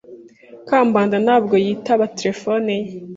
Kambanda ntabwo yitaba terefone ye.